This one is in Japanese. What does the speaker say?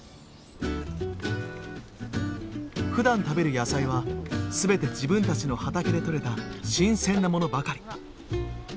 ふだん食べる野菜はすべて自分たちの畑でとれた新鮮なものばかり。